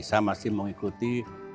saya masih mengikuti